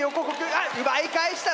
あっ奪い返した。